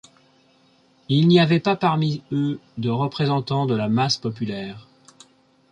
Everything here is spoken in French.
Il n'y avait pas parmi eux de représentant de la masse populaire.